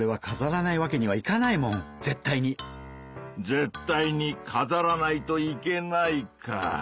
「『絶対に！』かざらないといけない」かぁ。